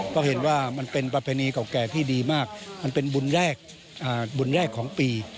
เพราะเห็นว่ามันเป็นประเพณีเก่าแก่ที่ดีมากมันเป็นบุญแรกบุญแรกของปี